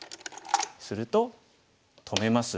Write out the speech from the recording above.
すると止めます。